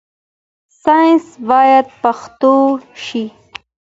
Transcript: ساينس بايد پښتو شي.